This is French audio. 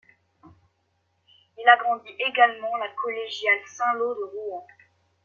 Il agrandit également la collégiale Saint-Lô de Rouen.